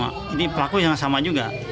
krahuma jadi pelaku yang sama juga